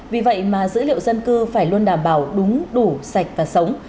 vì vậy mà dữ liệu dân cư phải luôn đảm bảo đúng đủ sạch và sống